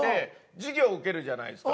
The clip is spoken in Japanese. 授業受けるじゃないですか。